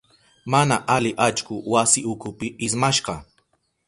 Mana ali allku wasi ukupi ismashka.